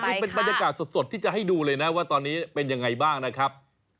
นี่เป็นบรรยากาศสดที่จะให้ดูเลยนะว่าตอนนี้เป็นยังไงบ้างนะครับ